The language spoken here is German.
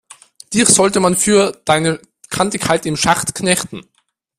Dich sollte man für deine Kantigkeit im Schacht knechten!